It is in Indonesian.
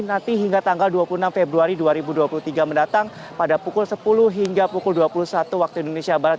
nanti hingga tanggal dua puluh enam februari dua ribu dua puluh tiga mendatang pada pukul sepuluh hingga pukul dua puluh satu waktu indonesia barat